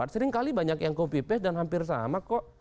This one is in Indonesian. seringkali banyak yang copy paste dan hampir sama kok